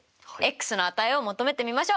Ｘの値を求めてみましょう！